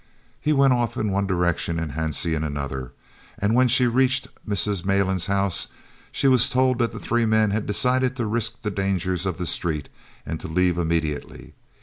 He went off in one direction and Hansie in another, and when she reached Mrs. Malan's house she was told that the three men had decided to risk the dangers of the street and to leave immediately.